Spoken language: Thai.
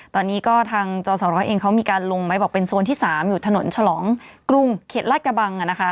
ตอนนี้ก็ทางจอสร้อยเองเขามีการลงไว้บอกเป็นโซนที่๓อยู่ถนนฉลองกรุงเขตลาดกระบัง